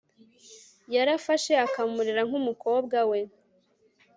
yarafashe akamurera nk umukobwa we